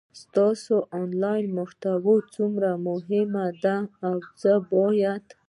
ستاسو انلاین محتوا څومره مهمه ده او څه باید